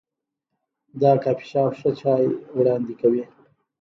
دا کافي شاپ ښه چای وړاندې کوي.